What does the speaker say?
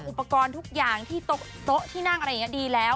อุปกรณ์ทุกอย่างที่โต๊ะที่นั่งอะไรอย่างนี้ดีแล้ว